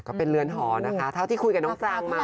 ก็เป็นเรือนหอนะคะเท่าที่คุยกับน้องปรางมา